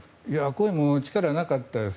声も力がなかったです。